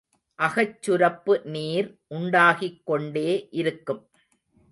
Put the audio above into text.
அகச்சுரப்பு நீர் உண்டாகிக்கொண்டே இருக்கும்.